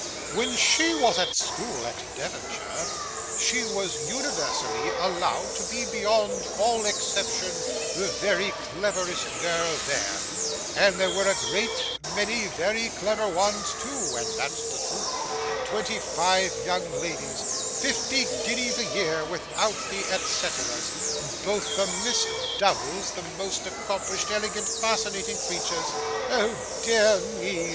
'When she was at school in Devonshire, she was universally allowed to be beyond all exception the very cleverest girl there, and there were a great many very clever ones too, and that's the truth twenty five young ladies, fifty guineas a year without the et ceteras, both the Miss Dowdles the most accomplished, elegant, fascinating creatures Oh dear me!